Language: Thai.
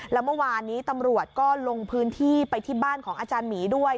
แล้วเมื่อวานนี้ตำรวจก็ลงพื้นที่ไปที่บ้านของอาจารย์หมีด้วย